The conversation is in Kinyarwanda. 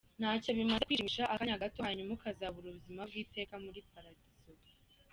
Ntacyo bimaze kwishimisha akanya gato, hanyuma ukazabura ubuzima bw’iteka muli Paradizo.